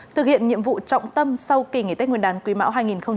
thực hiện nhiệm vụ trọng tâm sau kỳ nghỉ tết nguyên đán quý mão hai nghìn hai mươi